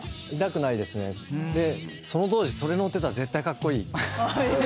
その当時それ乗ってたら絶対カッコイイ。